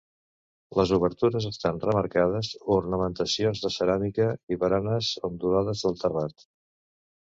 Les obertures estan remarcades, ornamentacions de ceràmica i baranes ondulades del terrat.